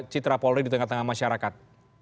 citra polri di tengah tengah masyarakat